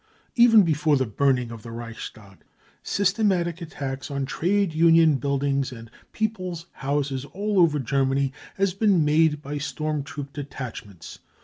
Even before the burning of the Reichstag systematic attacks on trade union buddings and People's Houses all over Germany had been made by storm troop detachments.